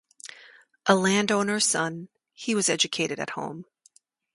A landowner's son, he was educated at home.